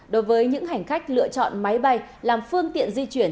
đối với những hành khách lựa chọn máy bay làm phương tiện di chuyển